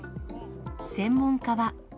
専門家は。